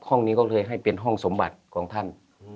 ห้องนี้ก็เลยให้เป็นห้องสมบัติของท่าน